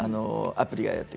アプリが。